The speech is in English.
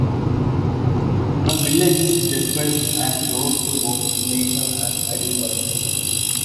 The village is dispersed and close to both Leiston and Aldeburgh.